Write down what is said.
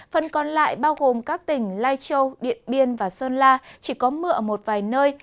phần còn lại bao gồm các tỉnh lai châu điện biên và sơn la chỉ có mưa ở một vài nơi